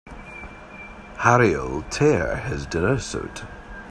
Harry'll tear his dinner suit.